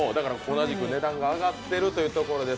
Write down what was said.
同じく値段が上がってるということです。